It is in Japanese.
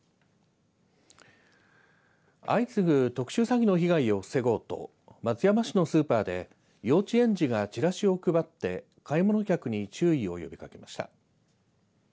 相次ぐ特殊詐欺の被害を防ごうと松山市のスーパーで幼稚園児が、ちらしを配って買い物客に注意を呼びかけました。